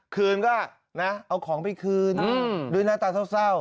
คืนก็นะเอาของไปคืนด้วยหน้าตาเศร้า